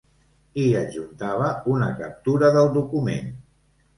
I hi adjuntava una captura del document.